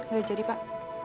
gak jadi pak